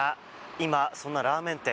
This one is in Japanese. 今、そんなラーメン店